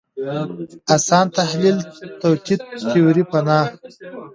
اسان تحلیل توطیې تیوري پناه